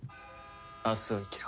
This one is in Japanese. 明日を生きろ。